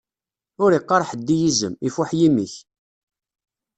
Ur iqqaṛ ḥedd i yizem: ifuḥ yimi-k!